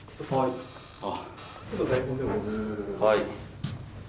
はい。